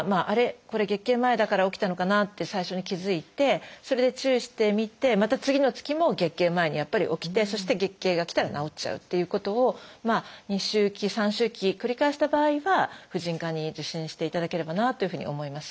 これ月経前だから起きたのかなって最初に気付いてそれで注意してみてまた次の月も月経前にやっぱり起きてそして月経がきたら治っちゃうということを２周期３周期繰り返した場合は婦人科に受診していただければなというふうに思います。